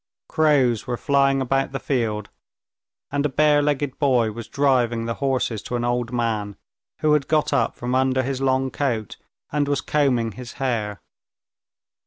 Crows were flying about the field, and a bare legged boy was driving the horses to an old man, who had got up from under his long coat and was combing his hair.